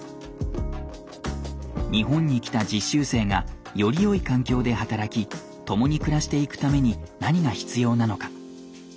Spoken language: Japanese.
日本に来た実習生がよりよい環境で働き共に暮らしていくために何が必要なのか。